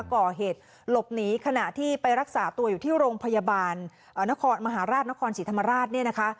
ก่อเหตุหลบหนีขณะที่ไปรักษาตัวอยู่ที่โรงพยาบาลนครมหาราชนครศรีธรรมราชเนี่ยนะคะ